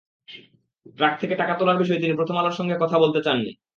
Truck থেকে টাকা তোলার বিষয়ে তিনি প্রথম আলোর সঙ্গে কথা বলতে চাননি।